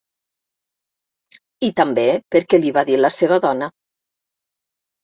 I també perquè li va dir la seva dona.